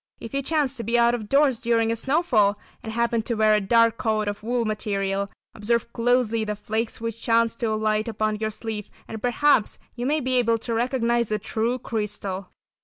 If you chance to be out of doors during a snowfall, and happen to wear a dark coat of wool material, observe closely the flakes which chance to alight upon your sleeve and perhaps you may be able to recognise a true crystal.